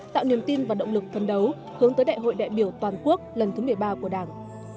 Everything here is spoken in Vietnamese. tạo niềm tin và động lực phấn đấu hướng tới đại hội đại biểu toàn quốc lần thứ một mươi ba của đảng